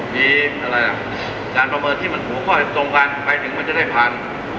มีการประเมินที่มันถูกข้อตรงกันไปถึงมันจะได้ผ่าน